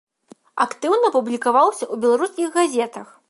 Актыўна публікаваўся ў беларускіх газетах.